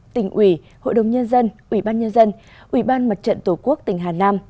tỉnh ủy hội đồng nhân dân ủy ban nhân dân ủy ban mặt trận tổ quốc tỉnh hà nam